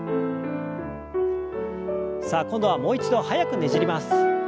さあ今度はもう一度速くねじります。